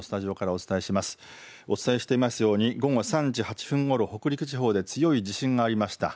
お伝えしていますように午後３時８分ごろ、北陸地方で強い地震がありました。